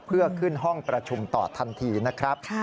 เพื่อขึ้นห้องประชุมต่อทันทีนะครับ